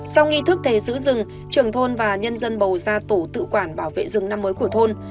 sau nghi thức thế giữ rừng trưởng thôn và nhân dân bầu ra tổ tự quản bảo vệ rừng năm mới của thôn